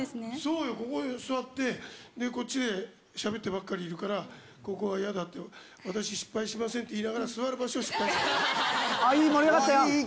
そうよ、ここへ座って、で、こっちでしゃべってばっかりいるから、ここはやだって、私、失敗しませんって言いながら、ああ、いい、盛り上がったよ。